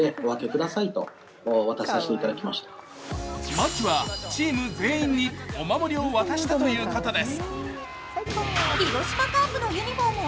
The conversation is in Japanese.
牧はチーム全員にお守りを渡したということです。